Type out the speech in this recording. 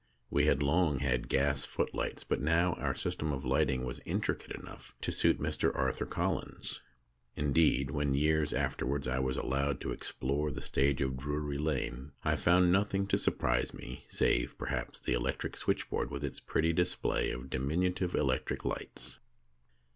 We had long had gas footlights, but now our system of lighting was intricate enough to suit Mr. Arthur Collins. Indeed, when, years afterwards, I was allowed to explore the stage of Drury Lane, I found nothing to surprise me, save, perhaps, the electric switchboard, with its pretty display of diminutive electric lights.